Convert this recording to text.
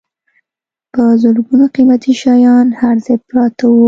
په زرګونو قیمتي شیان هر ځای پراته وو.